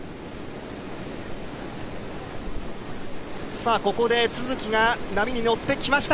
さあここで都筑が波に乗ってきました。